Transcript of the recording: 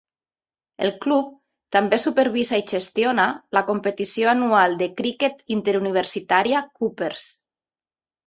El club també supervisa i gestiona la competició anual de criquet interuniversitària "Cuppers".